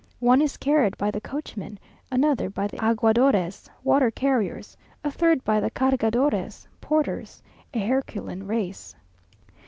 One is carried by the coachmen, another by the aguadores (water carriers), a third by the cargadores (porters), a Herculean race.